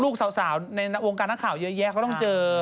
ลูกสาวในวงการนักข่าวเยอะแยะเขาต้องเจอ